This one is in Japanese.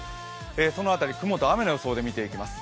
その辺り、雲と雨の予想で見ていきます。